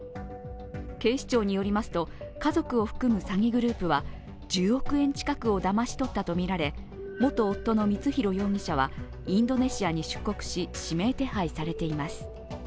警視庁によりますと、家族を含む詐欺グループは、１０億円近くをだまし取ったとみられ、元夫の光弘容疑者はインドネシアに出国し指名手配されています。